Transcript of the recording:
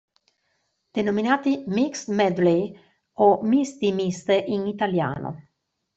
Denominati "mixed medley" o "misti miste" in italiano.